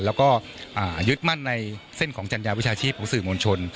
แล้วยึดมั่นในเส้นของจรรยาวิชาชีพและคุณสื่อมวลชน